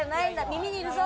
耳にいるぞ。